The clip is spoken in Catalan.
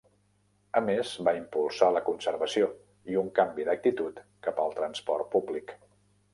A més va impulsar la conservació i un canvi d'actitud cap al transport públic.